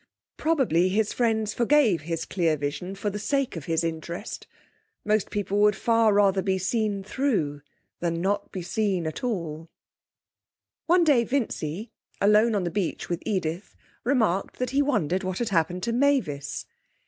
Probably his friends forgave his clear vision for the sake of his interest. Most people would far rather be seen through than not be seen at all. One day Vincy, alone on the beach with Edith, remarked that he wondered what had happened to Mavis.